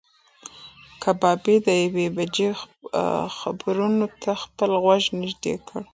کبابي د یوې بجې خبرونو ته خپل غوږ نږدې کړ.